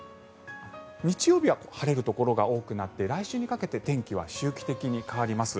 日曜日は晴れるところが多くなって来週にかけて天気は周期的に変わります。